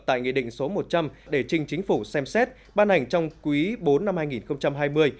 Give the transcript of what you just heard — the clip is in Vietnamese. tại nghị định số một trăm linh để trình chính phủ xem xét ban hành trong quý bốn năm hai nghìn hai mươi